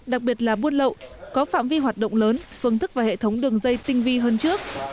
đặc biệt là buôn lậu có phạm vi hoạt động lớn phương thức và hệ thống đường dây tinh vi hơn trước